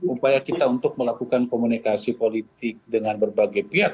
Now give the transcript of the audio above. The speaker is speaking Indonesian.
upaya kita untuk melakukan komunikasi politik dengan berbagai pihak